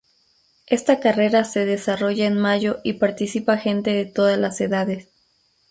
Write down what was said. Esta carrera se desarrolla en mayo y participa gente de todas las edades.